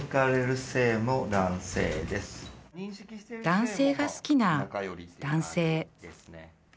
男性が好きな男性